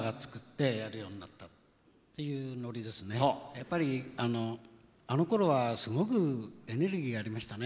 やっぱりあのあのころはすごくエネルギーがありましたね。